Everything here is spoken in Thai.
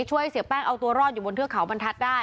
ช่วยเสียแป้งเอาตัวรอดอยู่บนเทือกเขาบรรทัศน์ได้